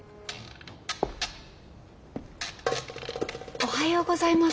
おはようございます。